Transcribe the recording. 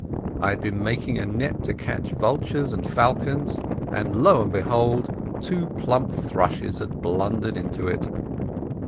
I had been making a net to catch vultures and falcons, and lo and behold! two plump thrushes had blundered into it.